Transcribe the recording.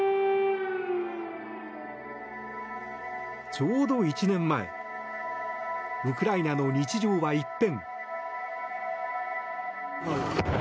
ちょうど１年前ウクライナの日常は一変。